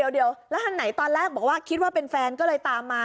เดี๋ยวแล้วอันไหนตอนแรกบอกว่าคิดว่าเป็นแฟนก็เลยตามมา